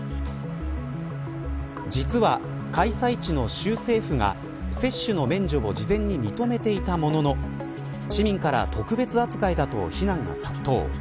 実は、開催地の州政府が接種の免除を事前に認めていたものの市民から特別扱いだと非難が殺到。